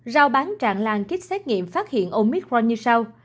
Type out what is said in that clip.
rao bán trạng lan ký xét nghiệm phát hiện omicron như sau